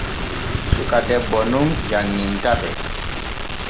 Suka debbo nun janŋintaɓe.